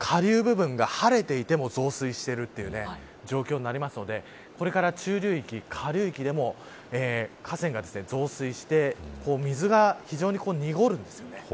下流部分が晴れていても増水しているという状況になるのでこれから中流域、下流域でも河川が増水して水が非常ににごるんですよね。